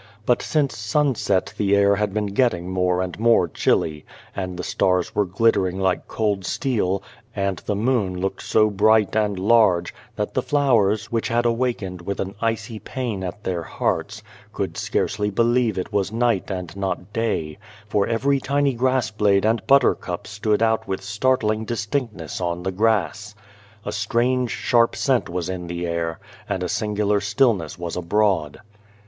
But since sunset the air had been getting more and more chilly, and the stars were glittering like cold steel^ and the moon looked so bright and large, that the flowers, which had awakened with an icy pain at their hearts, could scarcely believe it was night and not day, for every tiny grass blade and buttercup stood out with startling distinctness on the grass. A strange, sharp scent was in the air, and a singular stillness was abroad.